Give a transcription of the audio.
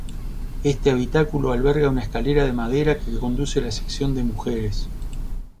Este habitáculo alberga una escalera de madera que conduce a la sección de mujeres.